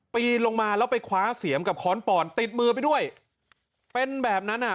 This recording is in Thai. ปีนลงมาแล้วไปคว้าเสียมกับค้อนปอนติดมือไปด้วยเป็นแบบนั้นอ่ะ